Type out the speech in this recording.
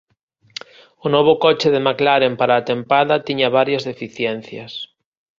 O novo coche de McLaren para a tempada tiña varias deficiencias.